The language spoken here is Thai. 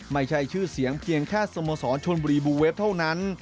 ไม่ใช่ชื่อเสียงเพียงแค่สโมสรชนบุรีบูเวฟเท่านั้น